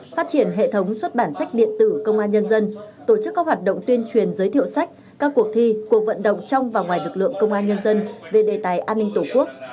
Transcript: phát triển hệ thống xuất bản sách điện tử công an nhân dân tổ chức các hoạt động tuyên truyền giới thiệu sách các cuộc thi cuộc vận động trong và ngoài lực lượng công an nhân dân về đề tài an ninh tổ quốc